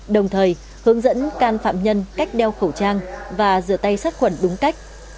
đồng thời hướng dẫn can phạm nhân cách đeo khẩu trang và rửa tay sát khuẩn đúng cách